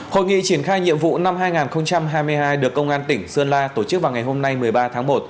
hội nghị triển khai nhiệm vụ năm hai nghìn hai mươi hai được công an tỉnh sơn la tổ chức vào ngày hôm nay một mươi ba tháng một